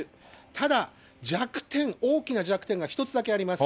ただ、弱点、大きな弱点が一つだけあります。